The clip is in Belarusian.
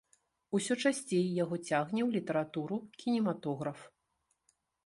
Усё часцей яго цягне ў літаратуру, кінематограф.